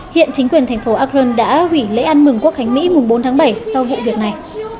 hiện chính quyền thành phố akron đã hủy lễ ăn mừng quốc hành mỹ bốn tháng bảy sau vụ việc này